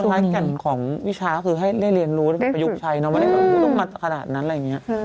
สุดท้ายการของวิชาคือให้เรียนรู้ได้ประยุกต์ใช้ไม่ได้ต้องมัดขนาดนั้นอะไรอย่างนี้